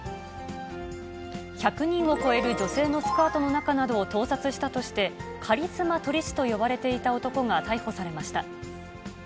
１００人を超える女性のスカートの中などを盗撮したとして、カリスマ撮り師と呼ばれていた男が逮捕されました。